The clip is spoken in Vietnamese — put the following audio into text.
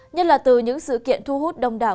nhất là từ những sự kiện thu hút đông đảo